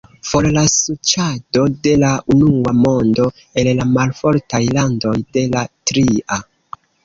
For la suĉado de la unua mondo el la malfortaj landoj de la tria!